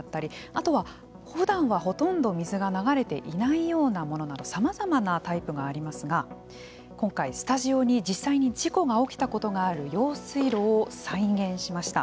あとは、ふだんはほとんど水が流れていないようなものなどさまざまなタイプがありますが今回スタジオに実際に事故が起きたことがある用水路を再現しました。